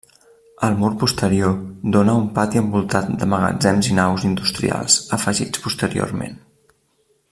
El mur posterior dóna a un pati envoltat de magatzems i naus industrials afegits posteriorment.